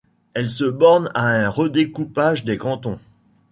Elle se borne à un redécoupage des cantons.